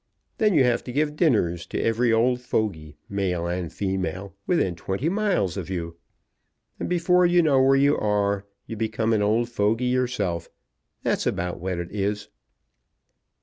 Then you have to give dinners to every old fogy, male and female, within twenty miles of you, and before you know where you are you become an old fogy yourself. That's about what it is."